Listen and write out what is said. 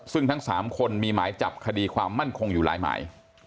ซึ่งทั้ง๓คนมีหมายจับคดีความมั่นคงอยู่หลายหมาย